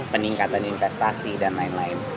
peningkatan investasi dan lain lain